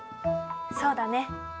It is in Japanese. そうだね。